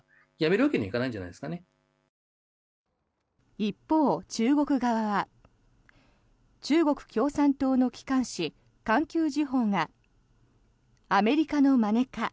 一方、中国側は中国共産党の機関紙、環球時報がアメリカのまねか？